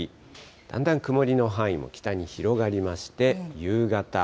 だんだん曇りの範囲も北に広がりまして、夕方。